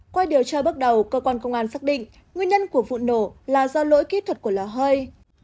qua điều tra bước đầu cơ quan công an xác định nguyên nhân của vụ nổ là do lỗi kỹ thuật của lò hơi